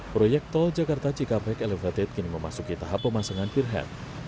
proyek tol jakarta cikampek elevated kini memasuki tahap pemasangan peer head